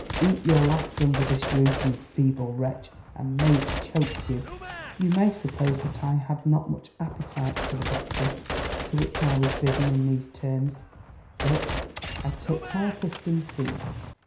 Eat your last under this roof, you feeble wretch, and may it choke you!" You may suppose that I had not much appetite for the breakfast to which I was bidden in these terms; but, I took my accustomed seat.